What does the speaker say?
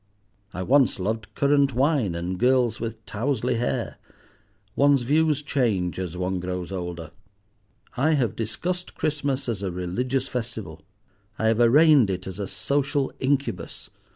I once loved currant wine and girls with towzley hair. One's views change as one grows older. I have discussed Christmas as a religious festival. I have arraigned it as a social incubus.